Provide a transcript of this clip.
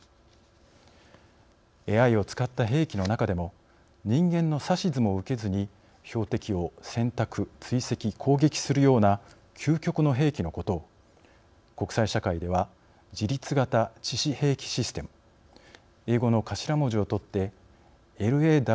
ＡＩを使った兵器の中でも人間の指図も受けずに標的を選択追跡攻撃するような究極の兵器のことを国際社会では自律型致死兵器システム英語の頭文字をとってＬＡＷＳＬＡＷＳと呼んでいます。